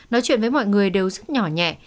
nói chuyện với mọi người đều rất nhỏ nhẹ